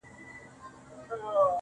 هېڅوک یې له مرګه خبر نه شول